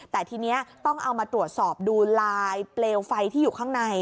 แต่ทีนี้ต้องเอามาตรวจสอบดูลายเปลวไฟที่อยู่ข้างใน